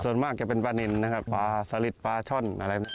ส่วนมากจะเป็นปลานินนะครับปลาสลิดปลาช่อนอะไร